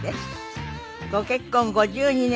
ご結婚５２年目。